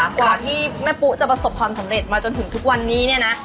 กว่าที่แม่ปุ๊จะประสบความสำเร็จมาจนถึงทุกวันนี้เนี่ยนะ